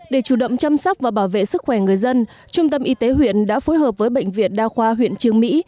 để chủ động chăm sóc và bảo vệ sức khỏe người dân trung tâm y tế huyện đã phối hợp với bệnh viện đa khoa huyện trương mỹ